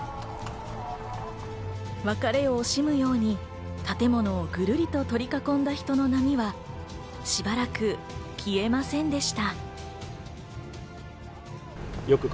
別れを惜しむように建物をぐるりと囲んだ人の波はしばらく消えませんでした。